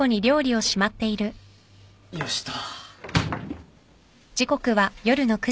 よしと。